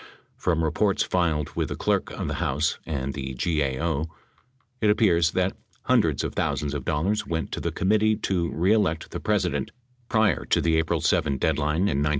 From reports filed with the Clerk of the House and the GAO, it appears that hundreds of thou sands of dollars went to the Committee To Re Elect the President prior to the April 7 deadline in 1972.